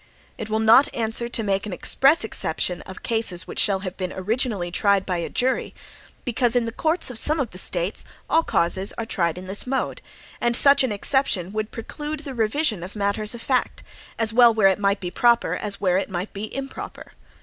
It will not answer to make an express exception of cases which shall have been originally tried by a jury, because in the courts of some of the States all causes are tried in this mode(4); and such an exception would preclude the revision of matters of fact, as well where it might be proper, as where it might be improper.